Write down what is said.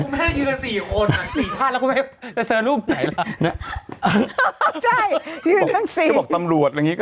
อยู่กัน๔คนสี่ผ้าแล้วคุณผู้ชายคุยไหนละ